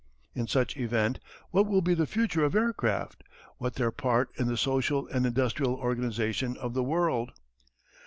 In such event what will be the future of aircraft; what their part in the social and industrial organization of the world?